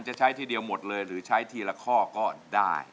จะใช้ทีเดียวหมดเลยหรือใช้ทีละข้อก็ได้